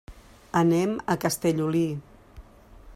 Anem a Castellolí.